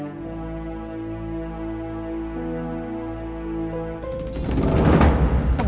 aku mau ke rumah kamu